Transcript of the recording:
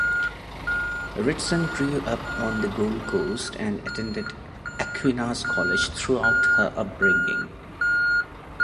Ritson grew up on the Gold Coast and attended Aquinas College throughout her upbringing.